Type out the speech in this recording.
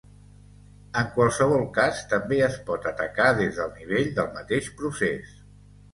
En qualsevol cas, també es pot atacar des del nivell del mateix procés.